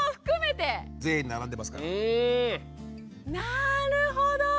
なるほど。